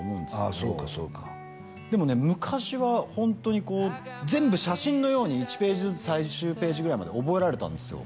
あそうかそうかでもね昔はホントにこう全部写真のように１ページずつ最終ページぐらいまで覚えられたんですよ